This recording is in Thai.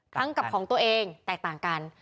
กับของตัวเองแตกต่างกัน